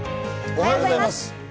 おはようございます。